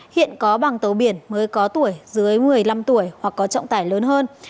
hiện có bằng tàu biển mới có tuổi dưới một mươi năm tuổi hoặc có trọng tải lớn hơn